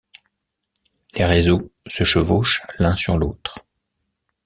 Les réseaux se chevauchent l'un sur l'autre.